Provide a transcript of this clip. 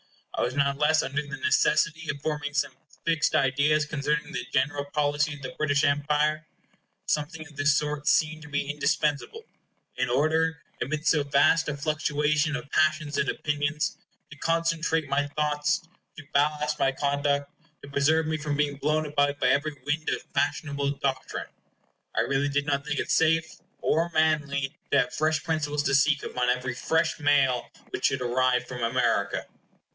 I was not less under the necessity of forming some fixed ideas concerning the general policy of the British Empire. Something of this sort seemed to be indispensable, in order, amidst so vast a fluctuation of passions and opinions, to concentre my thoughts, to ballast my conduct, to preserve me from being blown about by every wind of fashionable doctrine. I really did not think it safe or manly to have fresh principles to seek upon every fresh mail which should arrive from America.